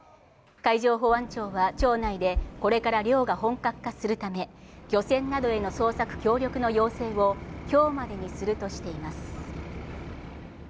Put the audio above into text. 海上保安庁は町内でこれから漁が本格化するため、漁船などへの捜索協力の要請を今日までにするとしています。